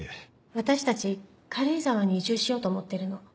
私たち軽井沢に移住しようと思ってるの。